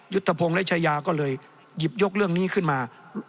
ทพงศ์และชายาก็เลยหยิบยกเรื่องนี้ขึ้นมา